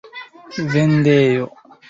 vendejo